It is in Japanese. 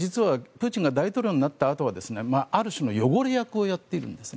プーチンが大統領になったあとはある種の汚れ役をやっているんです。